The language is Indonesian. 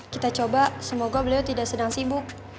kita coba semoga beliau tidak sedang sibuk